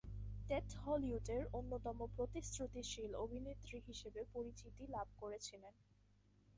TET হলিউডের অন্যতম প্রতিশ্রুতিশীল অভিনেত্রী হিসেবে পরিচিতি লাভ করেছিলেন।